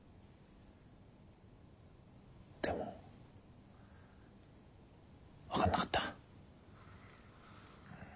でも分かんなかった。